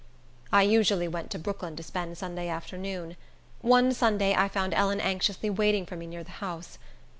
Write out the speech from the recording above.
I usually went to Brooklyn to spend Sunday afternoon. One Sunday, I found Ellen anxiously waiting for me near the house.